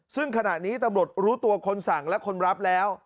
ซึ่งขณะนี้ตำรวจรู้ตัวคนสั่งและคนรับแล้ว